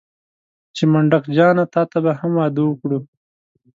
چې منډک جانه تاته به هم واده وکړو.